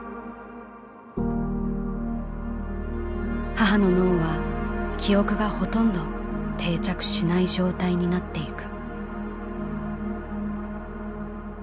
「母の脳は記憶がほとんど定着しない状態になっていく」。